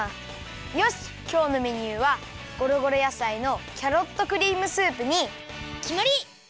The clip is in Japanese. よしきょうのメニューはごろごろやさいのキャロットクリームスープにきまり！